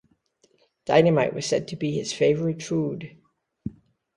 Dynamite was said to be his favorite food.